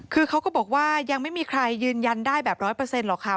คือเขาก็บอกว่ายังไม่มีใครยืนยันได้แบบ๑๐๐หรอกค่ะ